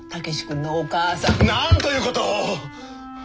なんということを！